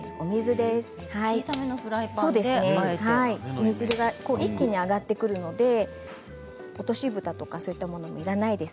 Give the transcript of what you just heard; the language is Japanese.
煮汁が一気に上がってくるので落としぶたとかそういったものもいらないです。